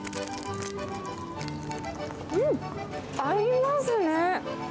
うん！合いますね。